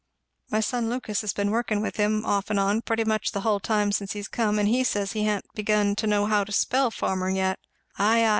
"My son Lucas has been workin' with him, off and on, pretty much the hull time since he come; and he says he ha'n't begun to know how to spell farmer yet." "Ay, ay!